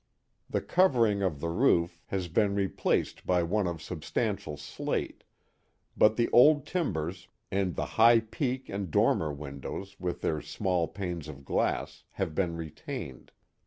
The covering of the roof has been re Guy Park and Fort Johnson 145 placed by one of substantial slate, but the old timbers and the high peak and dormer windows with their small panes of glass have been retained.